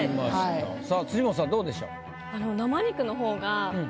さあ辻元さんどうでしょう？